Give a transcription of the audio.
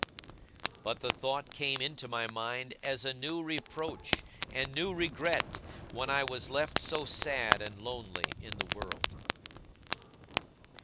But the thought came into my mind as a new reproach and new regret, when I was left so sad and lonely in the world.